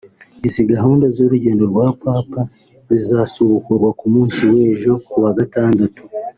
Izindi gahunda z’urugendo rwa papa zizasubukurwa ku munsi w’ejo kuwa gatandatu